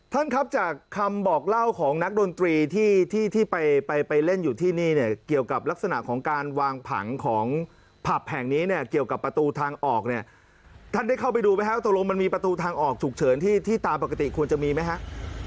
ท่านครับจากคำบอกเล่าของนักดนตรีที่ที่ไปไปเล่นอยู่ที่นี่เนี่ยเกี่ยวกับลักษณะของการวางผังของผับแห่งนี้เนี่ยเกี่ยวกับประตูทางออกเนี่ยท่านได้เข้าไปดูไหมฮะตกลงมันมีประตูทางออกฉุกเฉินที่ตามปกติควรจะมีไหมฮะ